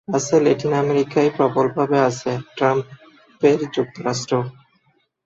আছে ল্যাটিন আমেরিকায়, প্রবলভাবে আছে ট্রাম্পের যুক্তরাষ্ট্রেও।